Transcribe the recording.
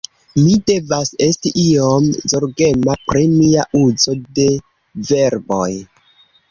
Mi devas esti iom zorgema pri mia uzo de verboj